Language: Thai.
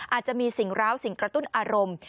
อาจจะมีสิ่งร้าวสิ่งกระตุ้นอารมณ์